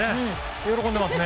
喜んでますね。